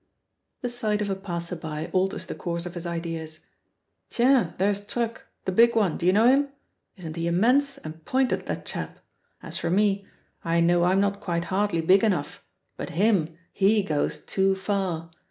The sight of a passer by alters the course of his ideas: "Tiens, there's Truc, the big one, d'you know him? Isn't he immense and pointed, that chap! As for me, I know I'm not quite hardly big enough; but him, he goes too far.